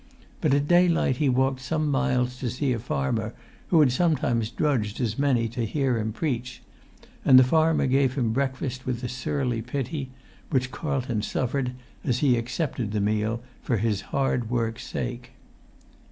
But at daylight he walked some miles to see a farmer who had sometimes trudged as many to hear him preach; and the farmer gave him breakfast with a surly pity, which Carlton suffered, as he accepted the meal, for his hard work's sake.